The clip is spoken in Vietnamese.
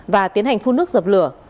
và tiến hành phun nước dập lửa